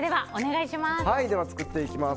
では作っていきます。